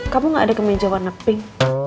kamu gak ada kemeja warna pink